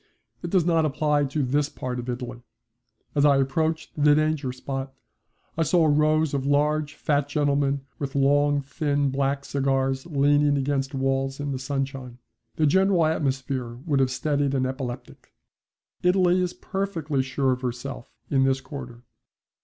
It does not apply to this part of Italy. As I approached the danger spot I saw rows of large, fat gentlemen with long thin black cigars leaning against walls in the sunshine. The general atmosphere would have steadied an epileptic. Italy is perfectly sure of herself in this quarter.